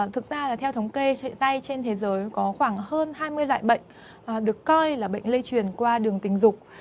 thực ra là theo thống kê hiện nay trên thế giới có khoảng hơn hai mươi loại bệnh được coi là bệnh lây truyền qua đường tình dục